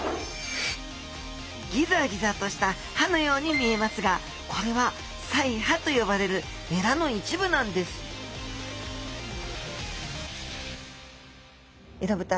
ギザギザとした歯のように見えますがこれは鰓耙と呼ばれるエラの一部なんですエラブタ。